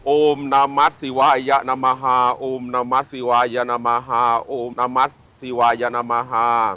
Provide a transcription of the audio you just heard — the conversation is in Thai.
โอมนามัสศิวายนมหาโอมนามัสศิวายนมหาโอมนามัสศิวายนมหา